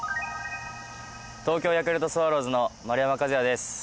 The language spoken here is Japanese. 東京ヤクルトスワローズの丸山和郁です。